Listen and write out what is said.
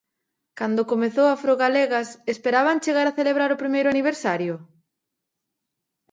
Cando comezou Afrogalegas esperaban chegar a celebrar o primeiro aniversario?